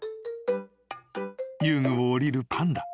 ［遊具を降りるパンダ。